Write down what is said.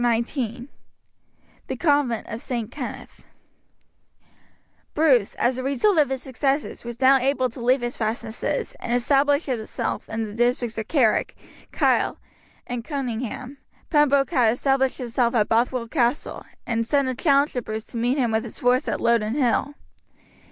Chapter XIX The Convent of St. Kenneth Bruce, as the result of his successes, was now able to leave his fastnesses and establish himself in the districts of Carrick, Kyle, and Cunningham. Pembroke had established himself at Bothwell Castle, and sent a challenge to Bruce to meet him with his force at Loudon Hill.